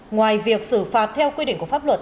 ngoài việc xử phạt theo quy định của pháp luật